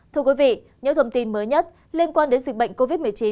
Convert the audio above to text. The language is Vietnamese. thưa quý vị những thông tin mới nhất liên quan đến dịch bệnh covid một mươi chín